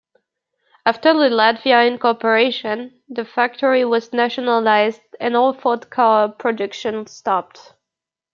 After the Latvia incorporation the factory was nationalised and all Ford car production stopped.